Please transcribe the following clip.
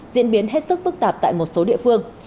diễn biến hết sức phức tạp tại một số địa phương